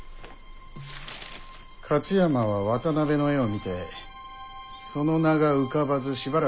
勝山は渡辺の絵を見てその名が浮かばずしばらく考えたと申したな？